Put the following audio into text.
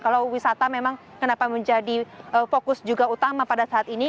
kalau wisata memang kenapa menjadi fokus juga utama pada saat ini